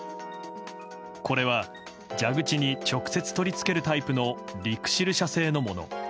これは、蛇口に直接取り付けるタイプのリクシル社製のもの。